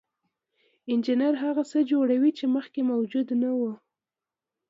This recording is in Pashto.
انجینر هغه څه جوړوي چې مخکې موجود نه وو.